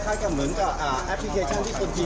ปากกับภาคภูมิ